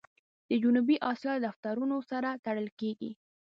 د جنوبي آسیا د دفترونو سره تړل کېږي.